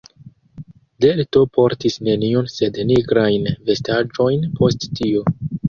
Delto portis nenion sed nigrajn vestaĵojn post tio.